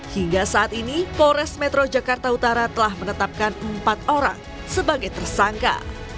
hingga saat ini polres metro jakarta utara telah menetapkan empat orang sebagai tersangka